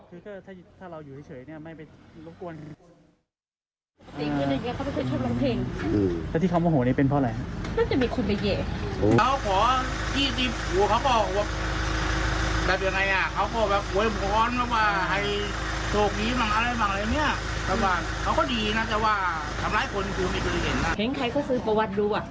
เห็นใครก็ซื้อประวัติดูอ่ะ